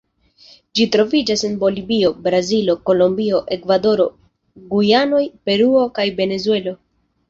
Ĝi troviĝas en Bolivio, Brazilo, Kolombio, Ekvadoro, Gujanoj, Peruo, kaj Venezuelo.